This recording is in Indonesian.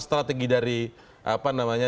strategi dari apa namanya